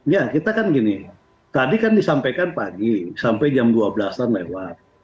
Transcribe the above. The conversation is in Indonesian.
ya kita kan gini tadi kan disampaikan pagi sampai jam dua belas an lewat